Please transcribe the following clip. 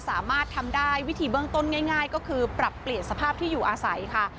สามารถทำได้วิธีเบื้องต้นง่ายก็คือปรับเปลี่ยนสภาพที่อยู่อาศัยค่ะ